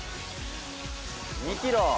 ２キロ。